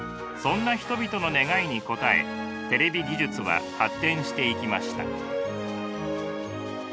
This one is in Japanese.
そんな人々の願いに応えテレビ技術は発展していきました。